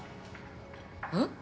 うん？